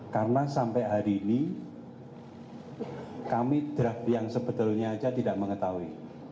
karena sampai hari ini kami draft yang sebetulnya saja tidak mengetahui